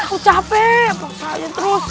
aku capek paksain terus